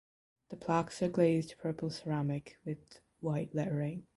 The plaques are glazed purple ceramic with white lettering.